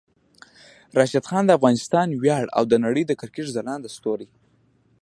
راشد خان د افغانستان ویاړ او د نړۍ د کرکټ ځلانده ستوری